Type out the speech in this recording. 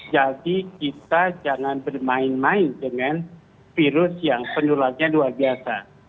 jadi kita jangan bermain main dengan virus yang penularannya luar biasa